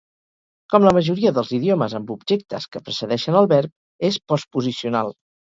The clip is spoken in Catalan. Com la majoria dels idiomes amb objectes que precedeixen el verb, és postposicional.